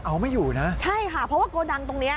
เอาไม่อยู่นะใช่ค่ะเพราะว่าโกดังตรงเนี้ย